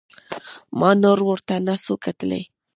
ما نور ورته نسو کتلى.